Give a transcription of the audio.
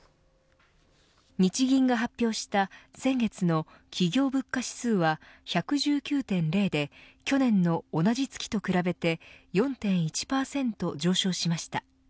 日銀が発表した先月の企業物価指数は１１９．０で去年の同じ月と比べて４．１％上昇しました。